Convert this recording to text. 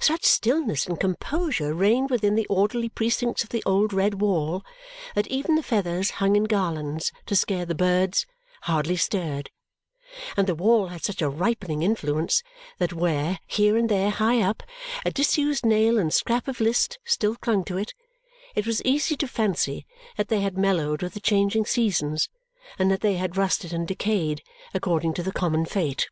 Such stillness and composure reigned within the orderly precincts of the old red wall that even the feathers hung in garlands to scare the birds hardly stirred; and the wall had such a ripening influence that where, here and there high up, a disused nail and scrap of list still clung to it, it was easy to fancy that they had mellowed with the changing seasons and that they had rusted and decayed according to the common fate.